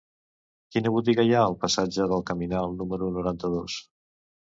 Quina botiga hi ha al passatge del Caminal número noranta-dos?